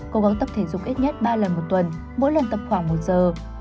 cố gắng tập thể dục ít nhất ba lần một tuần mỗi lần tập khoảng một giờ